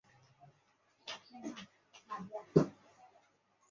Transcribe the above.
长叶黔蕨为鳞毛蕨科黔蕨属下的一个种。